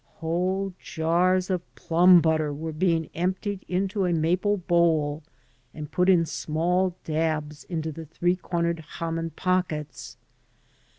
Whole jars of plum butter are being emptied into a maple bowl and put in small dabs into the three cornered Haman pockets.